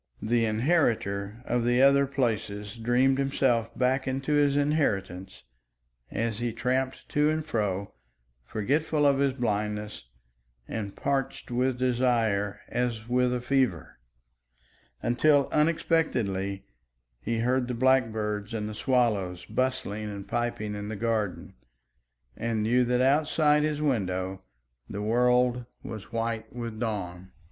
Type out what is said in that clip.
The inheritor of the other places dreamed himself back into his inheritance as he tramped to and fro, forgetful of his blindness and parched with desire as with a fever until unexpectedly he heard the blackbirds and the swallows bustling and piping in the garden, and knew that outside his windows the world was white with dawn.